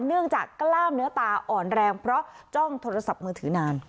เนื่องจากกล้ามเนื้อตาอ่อนแรงเพราะจ้องโทรศัพท์มือถือนาน